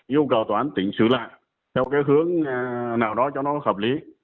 yêu cầu tòa án tỉnh xử lại theo cái hướng nào đó cho nó hợp lý